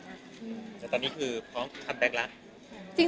แต่ตอนนี้คือพร้อมคัมแบ็คแล้ว